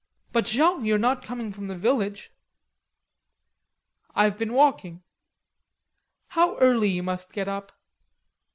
"But, Jean, you're not coming from the village." "I've been walking." "How early you must get up!"